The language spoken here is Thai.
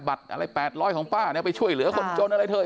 บัตรอะไร๘๐๐ของป้าเนี่ยไปช่วยเหลือคนจนอะไรเถอะ